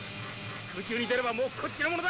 空中に出ればもうこっちのものだい！」